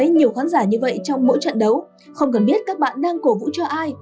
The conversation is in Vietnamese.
nhiều khán giả như vậy trong mỗi trận đấu không cần biết các bạn đang cổ vũ cho ai